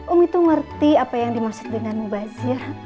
umi tuh ngerti apa yang dimaksud dengan mubazir